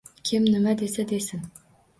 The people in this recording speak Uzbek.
Kim nima desa, desin